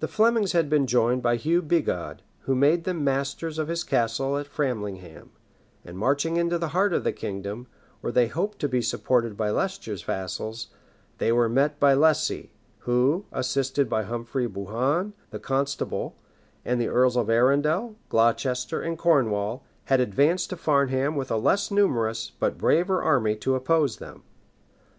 The Flemings had been joined by Hugh Bigod, who made them masters of his castle of Framlingham; and marching into the heart of the kingdom, where they hoped to be supported by Leicester's vassals, they were met by Lucy, who, assisted by Humphry Bohun, the constable, and the earls of Arundel, Glocester, and Cornwall, had advanced to Farnham with a less numerous, but braver army to oppose them.